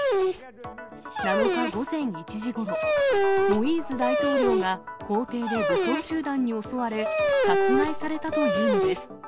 ７日午前１時ごろ、モイーズ大統領が、公邸で武装集団に襲われ、殺害されたというのです。